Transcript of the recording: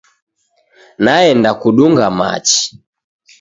Naenda kudunga machi.